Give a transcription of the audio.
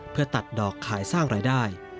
เพื่อตัดดอกขายสร้างรายได้